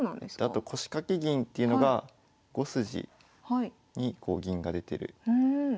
あと腰掛け銀っていうのが５筋にこう銀が出てる形ですね。